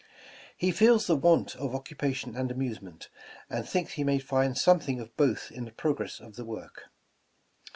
He feels the want of occupation and amuse ment, and thinks he may find something of both in the progress of the work.